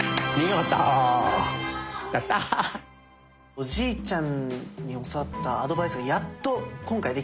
おじいちゃんに教わったアドバイスがやっと今回できたかなと思ったから。